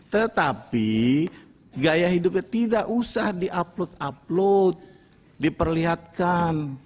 tetapi gaya hidupnya tidak usah di upload upload diperlihatkan